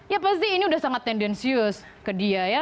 ya pasti ini sudah sangat tendensius ke dia ya